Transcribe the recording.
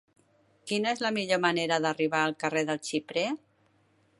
Quina és la millor manera d'arribar al carrer del Xiprer?